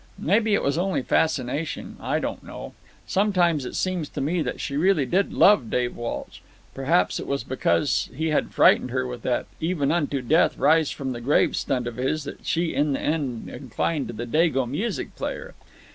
Maybe it was only fascination—I don't know. Sometimes it seems to me that she really did love Dave Walsh. Perhaps it was because he had frightened her with that even unto death, rise from the grave stunt of his that she in the end inclined to the dago music player.